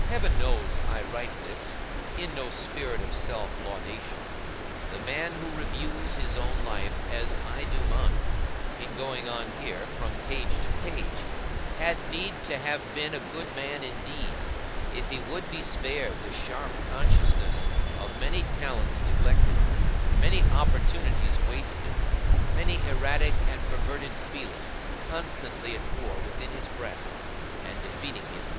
Heaven knows I write this, in no spirit of self laudation. The man who reviews his own life, as I do mine, in going on here, from page to page, had need to have been a good man indeed, if he would be spared the sharp consciousness of many talents neglected, many opportunities wasted, many erratic and perverted feelings constantly at war within his breast, and defeating him.